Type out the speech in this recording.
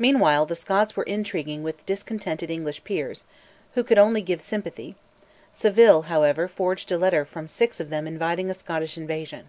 Meanwhile the Scots were intriguing with discontented English peers, who could only give sympathy; Saville, however, forged a letter from six of them inviting a Scottish invasion.